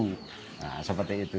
nah seperti itu